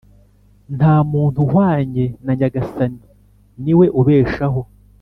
nta muntu uhwanye na nyagasani, ni we ubeshaho.